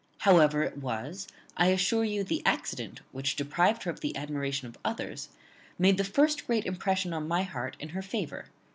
However it was, I assure you the accident which deprived her of the admiration of others made the first great impression on my heart in her favour.